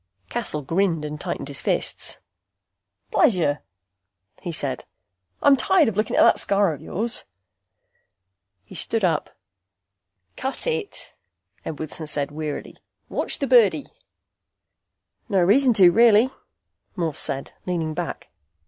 Cassel grinned and tightened his fists. "Pleasure," he said. "I'm tired of looking at that scar of yours." He stood up. "Cut it," Edwardson said wearily. "Watch the birdie." "No reason to, really," Morse said, leaning back.